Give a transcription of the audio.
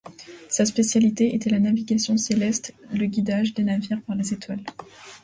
Sa spécialité était la navigation céleste, le guidage des navires par les étoiles.